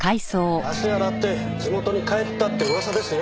足洗って地元に帰ったって噂ですよ。